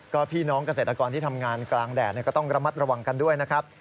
ก็พี่น้องเกษตรกรที่ทำงานกลางแดดก็ต้องระมัดระวังกันด้วยนะครับ